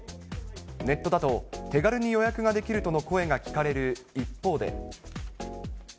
ネットだと手軽に予約ができるとの声が聞かれる一方で。